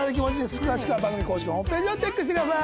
詳しくは番組公式ホームページをチェックしてください。